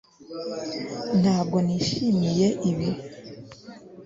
Ntabwo nishimiye ibi